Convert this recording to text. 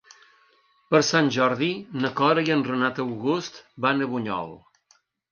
Per Sant Jordi na Cora i en Renat August van a Bunyol.